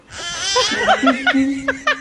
Ngtiti.